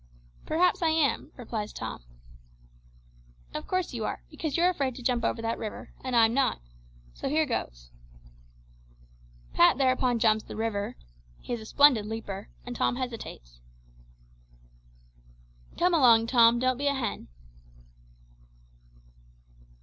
"Perhaps I am," replies Tom. "Of course you are, because you're afraid to jump over that river, and I'm not. So here goes." Pat thereupon jumps the river (he is a splendid leaper), and Tom hesitates. "Come along, Tom; don't be a hen."